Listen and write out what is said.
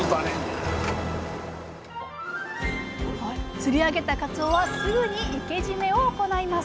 釣り上げたかつおはすぐに生け締めを行います。